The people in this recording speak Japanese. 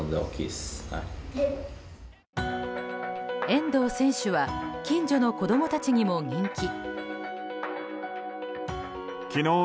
遠藤選手は近所の子供たちにも人気。